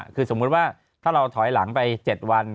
คือสมมุติว่าถ้าเราถอยหลังไป๗วัน